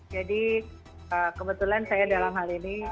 jadi kebetulan saya dalam hal ini